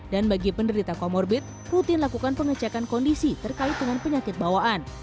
dan bagi penderita komorbit rutin melakukan pengecekan kondisi terkait dengan penyakit bawaan